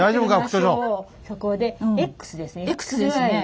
そこで「ｘ」ですね。